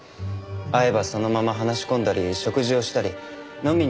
会えばそのまま話し込んだり食事をしたり飲みに行ったり。